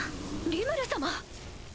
リムル様！